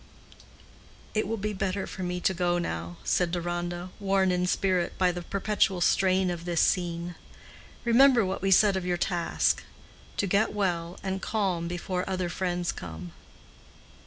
"It will be better for me to go now," said Deronda, worn in spirit by the perpetual strain of this scene. "Remember what we said of your task—to get well and calm before other friends come."